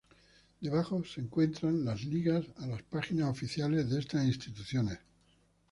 Debajo se encuentran las ligas a las páginas oficiales de estas instituciones.